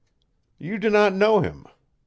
You do not know him. Mr.